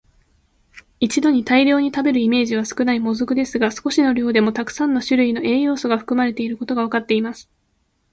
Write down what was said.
一度に大量に食べるイメージは少ない「もずく」ですが、少しの量でもたくさんの種類の栄養素が含まれていることがわかっています。